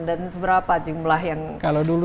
dan seberapa jumlah yang ditenun dalam sebulan